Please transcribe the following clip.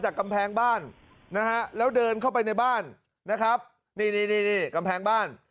กำแพงบ้านนะฮะแล้วเดินเข้าไปในบ้านนะครับนี่นี่กำแพงบ้าน